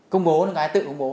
công bố là người ta tự công bố